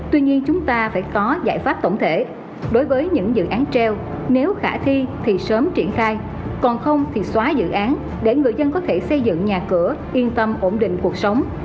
tuy nhiên chúng ta phải có giải pháp tổng thể đối với những dự án treo nếu khả thi thì sớm triển khai còn không thì xóa dự án để người dân có thể xây dựng nhà cửa yên tâm ổn định cuộc sống